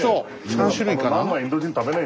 ３種類かな？